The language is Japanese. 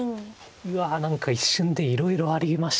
うわ何か一瞬でいろいろありましたね。